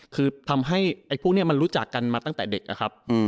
คือทำให้พวกที่รู้จักกันมาตั้งแต่เด็ก